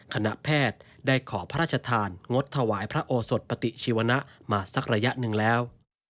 คณะแพทย์ได้ขอพระราชทานงดถวายพระโอสดปฏิชีวนะมาสักระยะหนึ่งแล้ว